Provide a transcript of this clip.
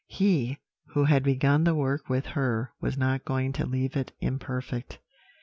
He who had begun the work with her was not going to leave it imperfect.